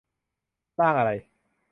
ร่างอะไร ?